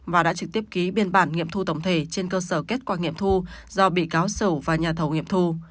và đã trực tiếp ký biên bản nghiệm thu tổng thể trên cơ sở kết quả nghiệm thu do bị cáo sổ và nhà thầu nghiệm thu